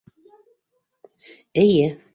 Эйе.